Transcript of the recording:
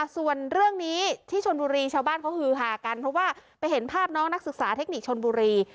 ส่วนเรื่องนี้ที่ชนบุรีชาวบ้านเขาฮือหากันเพราะว่าไปเห็นภาพน้องนักศึกษาเทคนิคชนบุรี